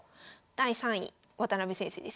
第３位渡辺先生ですね。